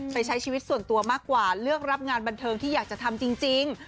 ใช้ชีวิตส่วนตัวมากกว่าเลือกรับงานบันเทิงที่อยากจะทำจริง